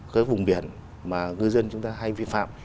các vùng biển mà ngư dân chúng ta hay vi phạm